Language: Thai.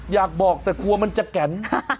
อยากบอกแต่กลัวมันจะแก่น